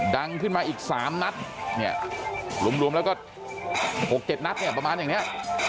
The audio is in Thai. ดังขึ้นมาอีก๓นัดเนี่ยรวมแล้วก็๖๗นัดเนี่ยประมาณอย่างนี้